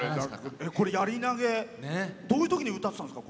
やり投げどういうときに歌ってたんですか？